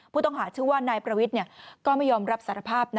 ผู้ต้องหาชื่อว่านายประวิทย์ก็ไม่ยอมรับสารภาพ